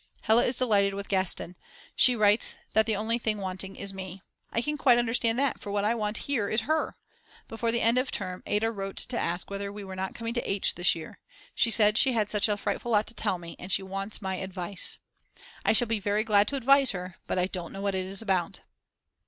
Hella is delighted with Gastein, she writes that the only thing wanting is me. I can quite understand that, for what I want here is her. Before the end of term Ada wrote to ask whether we were not coming to H. this year; she said she had such a frightful lot to tell me, and she wants my advice. I shall be very glad to advise her, but I don't know what it is about.